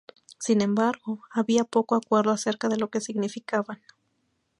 Sin embargo, había poco acuerdo acerca de lo que significaban.